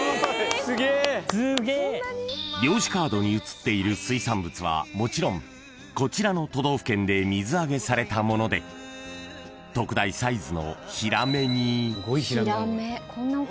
［漁師カードに写っている水産物はもちろんこちらの都道府県で水揚げされたもので特大サイズの］